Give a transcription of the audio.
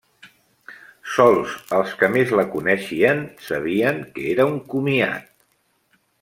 Sols els que més la coneixien sabien que era un comiat.